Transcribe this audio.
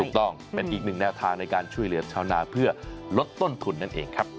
ถูกต้องเป็นอีกหนึ่งแนวทางในการช่วยเหลือชาวนาเพื่อลดต้นทุนนั่นเองครับ